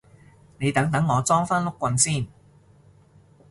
你等等我裝返碌棍先